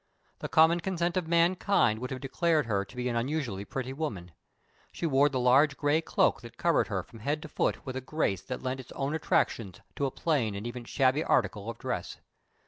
The common consent of mankind would have declared her to be an unusually pretty woman. She wore the large gray cloak that covered her from head to foot with a grace that lent its own attractions to a plain and even a shabby article of dress.